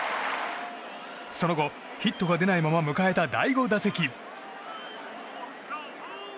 その後、ヒットが出ないまま迎えた第５打席。